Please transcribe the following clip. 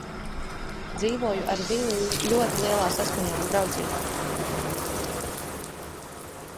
Dzīvoju ar Vili ļoti lielā saskaņā un draudzībā.